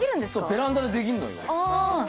ベランダでできんのよ。